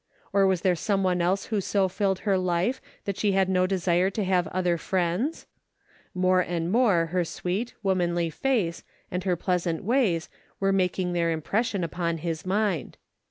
Or was there some one else who so filled her life that she had no desire to have other friends ? More and more her sweet, womanly face, and her pleasant waj^s were making their impres sion upon his mind.